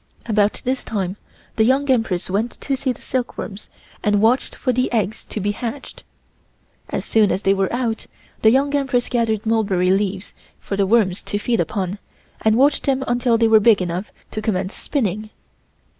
About this same time the Young Empress went to see the silkworms and watch for the eggs to be hatched. As soon as they were out, the Young Empress gathered mulberry leaves for the worms to feed upon and watched them until they were big enough to commence spinning.